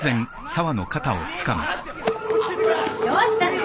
どうしたの？